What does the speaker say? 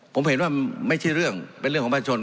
ผมเห็นว่าไม่ใช่เรื่องเป็นเรื่องของประชาชน